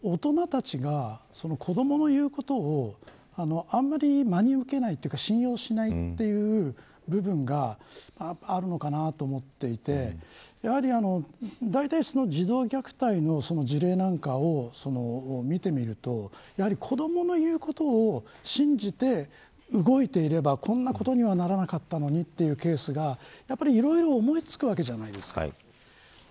そういう意味では実は大人たちが子どもの言うことをあまり真に受けないというか信用しないという部分があるのかなと思っていてやはりだいたい児童虐待の事例なんかを見てみるとやはり子どもの言うことを信じて動いていれば、こんなことにはならなかったのにというケースがやはりいろいろ思いつくわけじゃないですか。